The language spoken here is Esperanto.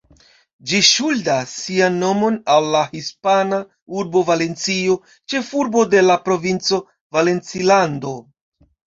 Ĝi ŝuldas sian nomon al la hispana urbo Valencio, ĉefurbo de la provinco Valencilando.